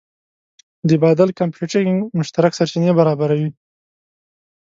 د بادل کمپیوټینګ مشترک سرچینې برابروي.